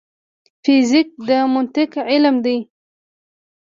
فزیک د منطق علم دی